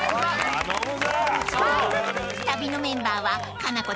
［旅のメンバーは］